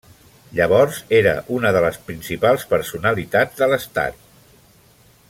Llavors era una de les principals personalitat de l'estat.